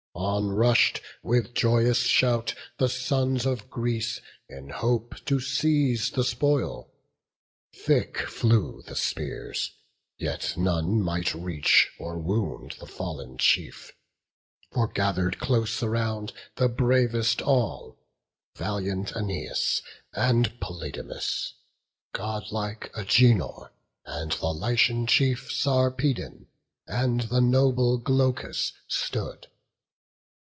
On rush'd, with joyous shout, the sons of Greece, In hope to seize the spoil; thick flew the spears: Yet none might reach or wound the fallen chief; For gather'd close around, the bravest all, Valiant Æneas, and Polydamas, Godlike Agenor, and the Lycian chief Sarpedon, and the noble Glaucus stood.